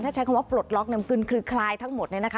ถ้าใช้คำว่าปลดล็อกนำขึ้นคลือคลายทั้งหมดเนี่ยนะคะ